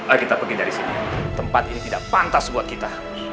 ayo kita pergi dari sini tempat ini tidak pantas buat kita